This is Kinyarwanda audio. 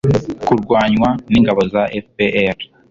kurwanywa n ingabo za FPR